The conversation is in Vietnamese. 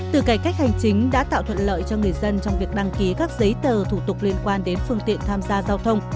từ cải cách hành chính đã tạo thuận lợi cho người dân trong việc đăng ký các giấy tờ thủ tục liên quan đến phương tiện tham gia giao thông